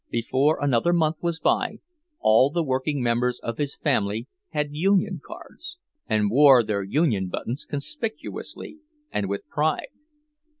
Before another month was by, all the working members of his family had union cards, and wore their union buttons conspicuously and with pride.